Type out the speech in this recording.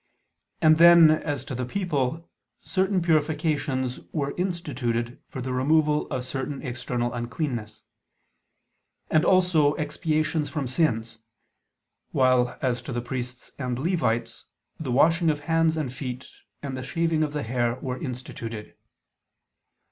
And then, as to the people, certain purifications were instituted for the removal of certain external uncleannesses; and also expiations from sins; while, as to the priests and Levites, the washing of hands and feet and the shaving of the hair were instituted.